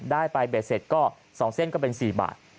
ได้ไปเบสเสร็จก็สองเส้นก็เป็นสี่บาท